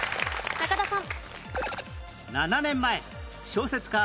中田さん